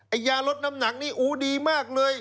ไอ้ยาลดน้ำหนักนี้โอ๊ยดีมากเลย